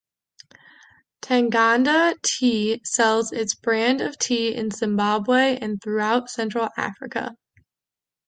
Tanganda Tea sells its brand of tea in Zimbabwe and throughout central Africa.